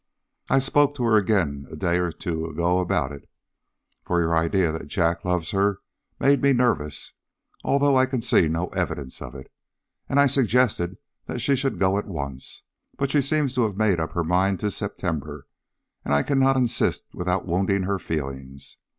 I spoke to her again a day or two ago about it for your idea that Jack loves her has made me nervous, although I can see no evidence of it and I suggested that she should go at once; but she seems to have made up her mind to September, and I cannot insist without wounding her feelings.